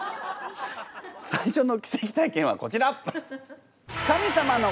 最初の奇跡体験はこちら！